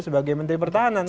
sebagai menteri pertahanan